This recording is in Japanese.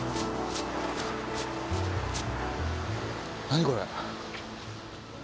何これ？